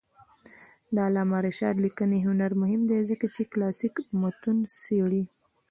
د علامه رشاد لیکنی هنر مهم دی ځکه چې کلاسیک متون څېړي.